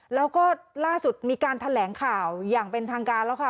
แล้วก็ล่าสุดมีการแถลงข่าวอย่างเป็นทางการแล้วค่ะ